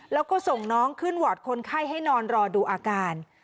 แล้วก็ส่งน้องขึ้นวอร์ดคนไข้ให้นอนรอดูอาการ